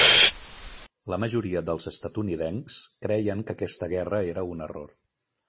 La majoria dels estatunidencs creien que aquesta guerra era un error.